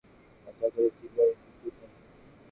আশা করি, শীঘ্রই বিদ্যুত আসবে।